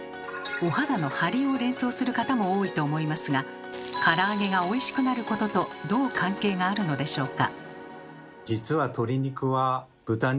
お肌のハリを連想する方も多いと思いますがから揚げがおいしくなることとどう関係があるのでしょうか？